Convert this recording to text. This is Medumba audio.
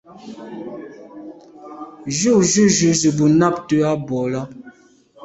Jù jujù ze bo nabte à bwô là.